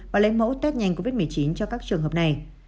và lấy mẫu test nhanh covid một mươi chín cho các trường hợp này